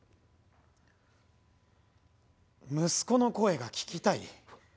息子の声が聞きたい？